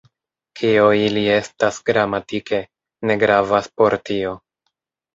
Kio ili estas gramatike, ne gravas por tio.